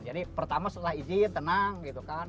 jadi pertama setelah ini tenang gitu kan